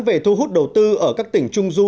về thu hút đầu tư ở các tỉnh trung du